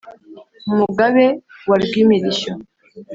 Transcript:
umugabe wa rwimirishyo